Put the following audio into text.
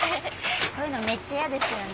こういうのめっちゃやですよね。